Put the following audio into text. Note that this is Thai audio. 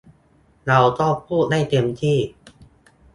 เราก็พูดได้เต็มที่